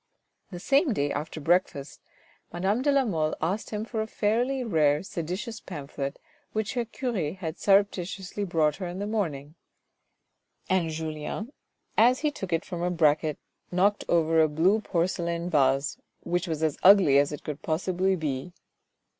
The same day after breakfast madame de la Mole asked him for a fairly rare, seditious pamphlet which her cure had surreptitiously brought her in the morning, and Julien, as he took it from a bracket, knocked over a blue porcelain vase which was as ugly as it could possibly be.